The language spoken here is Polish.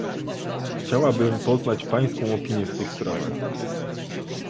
Chciałabym poznać pańską opinię w tych sprawach